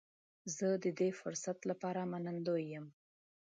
زه د دې فرصت لپاره منندوی یم.